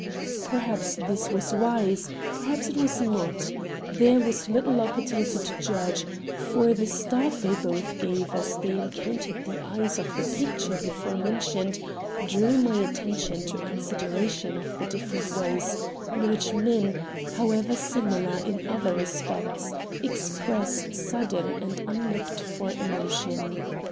Perhaps this was wise, perhaps it was not; there was little opportunity to judge, for the start they both gave as they encountered the eyes of the picture before mentioned drew my attention to a consideration of the different ways in which men, however similar in other respects, express sudden and unlooked for emotion.